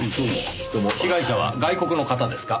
被害者は外国の方ですか？